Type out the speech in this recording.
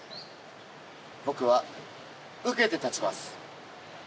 僕は受けてたちます。